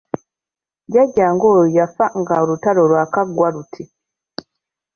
Jjajjange oyo yafa ng'olutalo lwakaggwa luti.